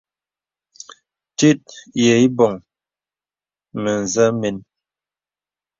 Tit yə îbɔ̀ŋ mə̄zɛ̄ mēn.